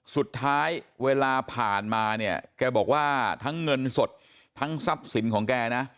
สุดท้ายเวลาผ่านมาเนี่ยแกบอกว่าทั้งเงินสดทั้งทรัพย์สินของแกนะ